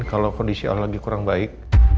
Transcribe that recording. kalau kondisi alam lagi kurang baik